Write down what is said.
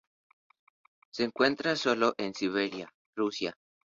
Se encuentra sólo en Siberia, Rusia